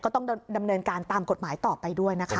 ต้องดำเนินการตามกฎหมายต่อไปด้วยนะคะ